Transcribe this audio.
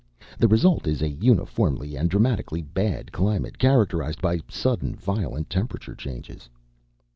The result is a uniformly and dramatically bad climate characterized by sudden violent temperature changes."